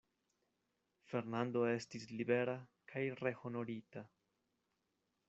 Fernando estis libera kaj rehonorita.